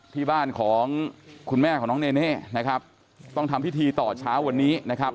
ที่บ้านของคุณแม่ของน้องเนเน่นะครับต้องทำพิธีต่อเช้าวันนี้นะครับ